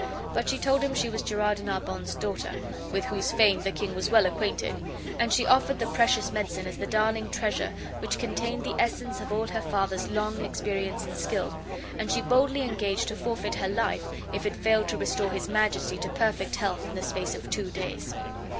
But she told him she was Gerard de Narbon's daughter (with whose fame the king was well acquainted), and she offered the precious medicine as the darling treasure which contained the essence of all her father's long experience and skill, and she boldly engaged to forfeit her life if it failed to restore his Majesty to perfect health in the space of two days.